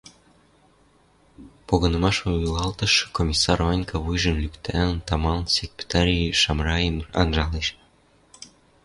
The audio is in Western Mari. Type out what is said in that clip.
Погынымаш вуйлатышы Комиссар Ванька, вуйжым лӱктӓлӹн, тамалын сек пӹтӓри Шамрайым анжалеш